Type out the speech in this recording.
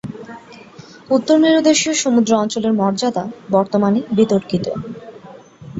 উত্তর মেরুদেশীয় সমুদ্র অঞ্চলের মর্যাদা বর্তমানে বিতর্কিত।